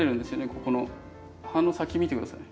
ここの葉の先見て下さい。